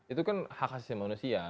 itu kan hak asasi manusia